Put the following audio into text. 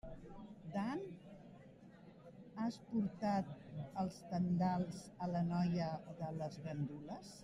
Dan, has portat els tendals a la noia de les gandules?